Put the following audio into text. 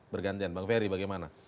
bergantian bang ferry bagaimana